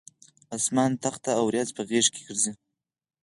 اسمان تخته اوریځ په غیږ ګرځي